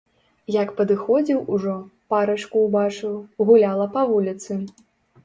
Як падыходзіў ужо, парачку ўбачыў, гуляла па вуліцы.